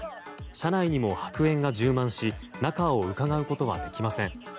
車内にも白煙が充満し中をうかがうことはできません。